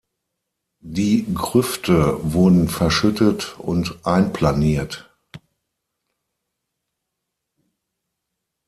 Die Grüfte wurden verschüttet und einplaniert.